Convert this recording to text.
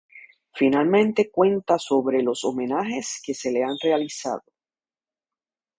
Finalmente cuenta sobre los homenajes que se le han realizado.